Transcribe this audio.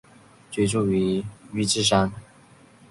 居住于宇治山。